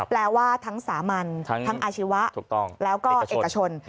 แปลว่าทั้งสามัญทั้งอาชีวะแล้วก็เอกชน